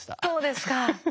そうですか。